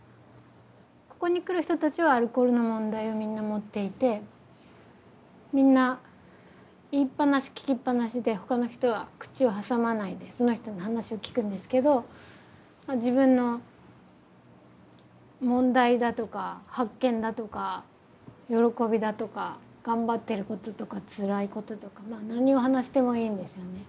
ここに来る人たちはアルコールの問題をみんな持っていてみんな言いっぱなし聞きっぱなしで他の人は口を挟まないでその人の話を聞くんですけど自分の問題だとか発見だとか喜びだとか頑張ってることとかつらいこととか何を話してもいいんですよね。